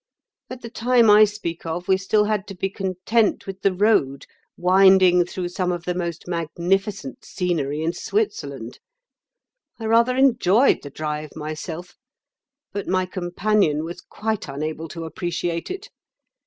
At the time I speak of we still had to be content with the road winding through some of the most magnificent scenery in Switzerland. I rather enjoyed the drive myself, but my companion was quite unable to appreciate it.